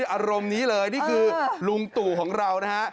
อารมณ์นี้เลยนี่คือลุงตู่ของเรานะฮะ